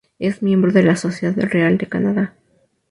Es miembro de la Sociedad Real de Canadá.